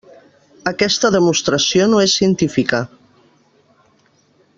Aquesta demostració no és científica.